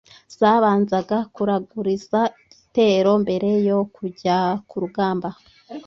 zabanzaga kuraguriza igitero mbere yo kujya kurugamba